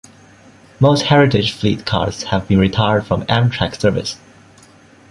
Most Heritage Fleet cars have been retired from Amtrak service.